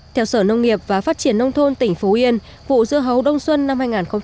theo sở nông nghiệp và phát triển nông thôn tỉnh phú yên vụ dưa hấu đông xuân năm hai nghìn một mươi chín